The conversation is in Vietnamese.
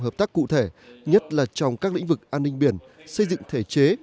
hợp tác cụ thể nhất là trong các lĩnh vực an ninh biển xây dựng thể chế